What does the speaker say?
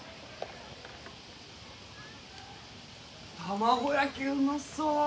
卵焼きうまそう！